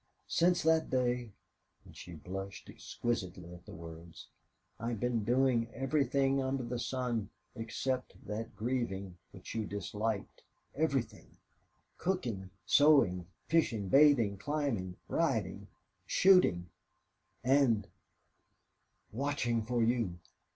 "Since that day," and she blushed exquisitely at the words, "I've been doing everything under the sun except that grieving which you disliked everything cooking, sewing, fishing, bathing, climbing, riding, shooting AND watching for you."